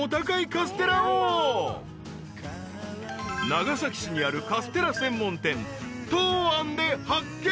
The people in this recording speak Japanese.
［長崎市にあるカステラ専門店糖庵で発見］